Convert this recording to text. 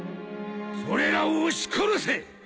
それらを押し殺せ！